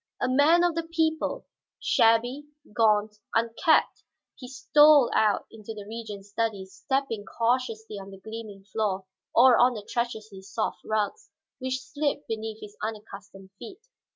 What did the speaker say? A man of the people, shabby, gaunt, unkempt, he stole out into the Regent's study, stepping cautiously on the gleaming floor or on the treacherously soft rugs which slipped beneath his unaccustomed feet.